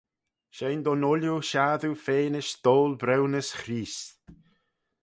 Shegin dooin ooilley shassoo fenish stoyl-briwnys Chreest.